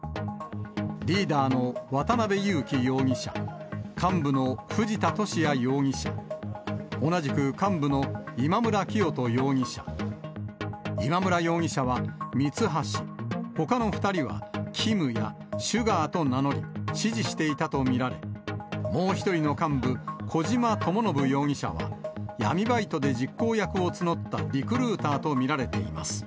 リーダーの渡辺優樹容疑者、幹部の藤田聖也容疑者、同じく幹部の今村磨人容疑者、今村容疑者は、ミツハシ、ほかの２人はキムやシュガーと名乗り、指示していたと見られ、もう１人の幹部、小島智信容疑者は闇バイトで実行役を募ったリクルーターと見られています。